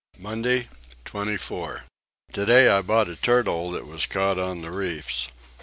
Monday 24. Today I bought a turtle that was caught on the reefs.